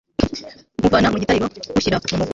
nkuvana mu gitariro nkushyira mu muvure